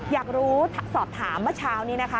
อยากรู้สอบถามเมื่อเช้านี้นะคะ